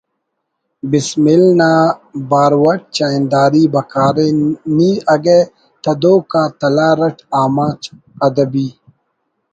بسمل نا بارو اٹ چاہنداری بکار ءِ نی اگہ تدوک آ ”تلار“ اٹ ’آماچ ادبی